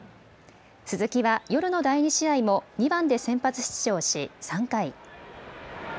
鈴木は夜の第２試合も２番で先発出場し、３回。